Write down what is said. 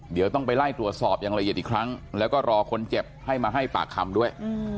เดี๋ยวต้องไปไล่ตรวจสอบอย่างละเอียดอีกครั้งแล้วก็รอคนเจ็บให้มาให้ปากคำด้วย